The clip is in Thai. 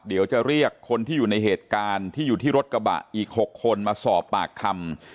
เดี๋ยวจะเรียกคนที่อยู่ในเหตุการณ์ที่อยู่ที่รถกระบะอีก๖คนมาสอบปากคำ